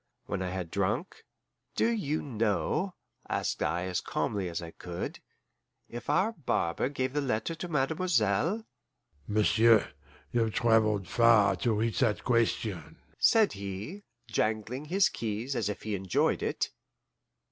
When I had drunk, "Do you know," asked I as calmly as I could, "if our barber gave the letter to Mademoiselle?" "M'sieu', you've travelled far to reach that question," said he, jangling his keys as if he enjoyed it.